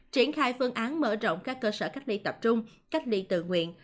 triển khai phương án mở rộng các cơ sở cách ly tập trung cách ly tự nguyện